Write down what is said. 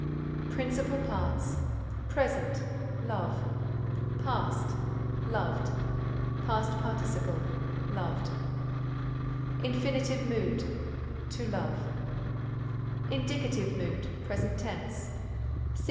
PRINCIPAL PARTS Present Past Past Participle Love Loved Loved Infinitive Mood To Love Indicative Mood PRESENT TENSE Sing.